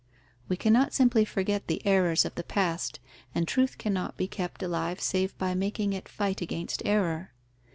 We cannot simply forget the errors of the past, and truth cannot be kept alive, save by making it fight against error.